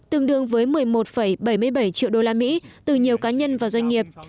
tương đương với một mươi một bảy mươi bảy triệu đô la mỹ từ nhiều cá nhân và doanh nghiệp